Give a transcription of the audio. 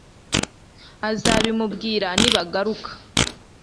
azabimubwira nibagaruka